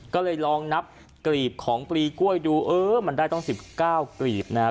ก็เลยลองนับกรีบของปลีกล้วยดูเออมันได้ต้อง๑๙กรีบนะฮะ